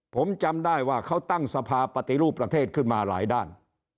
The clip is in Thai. ผมจำได้ว่าเขาตั้งสภาปฏิรูปประเทศขึ้นมาหลายด้าน